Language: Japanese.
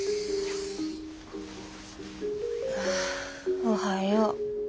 あおはよう。